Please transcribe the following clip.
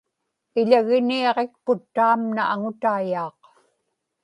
iḷaginiaġikput taamna aŋutaiyaaq